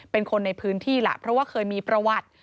เป็นคนในพื้นที่ล่ะเพราะว่าเคยมีประวัติ